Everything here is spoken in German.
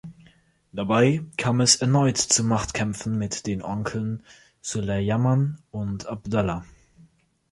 Dabei kam es erneut zu Machtkämpfen mit den Onkeln Sulayman und Abdallah.